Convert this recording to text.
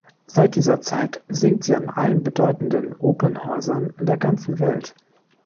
Seit dieser Zeit singt sie an allen bedeutenden Opernhäusern in der ganzen Welt.